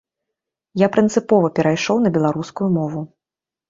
Я прынцыпова перайшоў на беларускую мову.